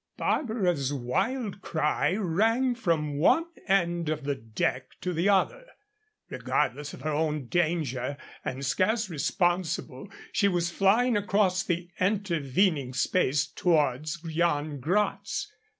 Barbara's wild cry rang from one end of the deck to the other. Regardless of her own danger and scarce responsible, she was flying across the intervening space towards Yan Gratz.